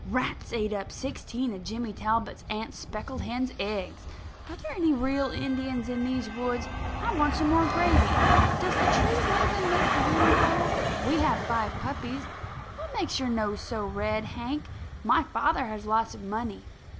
Rats ate up sixteen of Jimmy Talbot's aunt's speckled hen's eggs. Are there any real Indians in these woods? I want some more gravy. Does the trees moving make the wind blow? We had five puppies. What makes your nose so red, Hank? My father has lots of money.